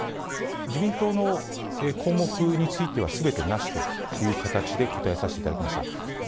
自民党の項目については、すべてなしという形で答えさせていただきました。